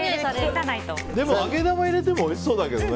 でも揚げ玉入れてもおいしそうだけどね。